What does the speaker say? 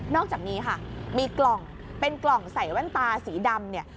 อกจากนี้ค่ะมีกล่องเป็นกล่องใส่แว่นตาสีดำเนี่ย